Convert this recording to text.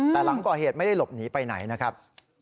แต่หลังก่อเหตุไม่ได้หลบหนีไปไหนนะครับ